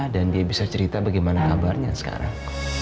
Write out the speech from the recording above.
dan dia bisa cerita bagaimana kabarnya sekarang